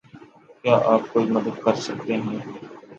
کیا آپ کوئی مدد کر سکتے ہیں؟